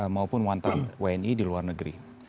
maupun wantar wni di luar negeri